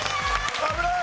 危ない！